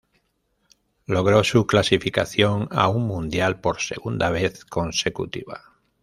Logró su clasificación a un Mundial por segunda vez consecutiva.